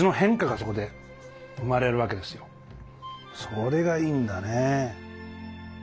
それがいいんだね。